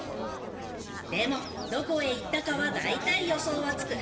でもどこへ行ったかは大体予想はつく。